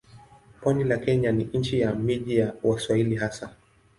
Pwani la Kenya ni nchi ya miji ya Waswahili hasa.